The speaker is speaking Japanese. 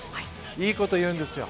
いいこと言うんですよ。